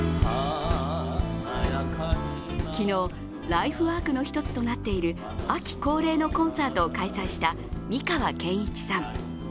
昨日、ライフワークの一つとなっている秋恒例のコンサートを開催した美川憲一さん。